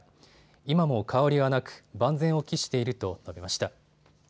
今も変わりはなく万全を期していると述べました。